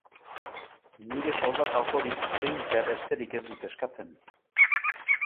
Nire soldata osorik ordaintzea besterik ez dut eskatzen.